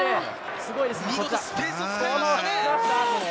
見事、スペースを使いましたね。